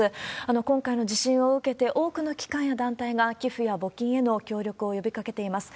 今回の地震を受けて、多くの機関や団体が寄付や募金への協力を呼びかけています。